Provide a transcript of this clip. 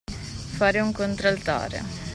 Fare un contraltare.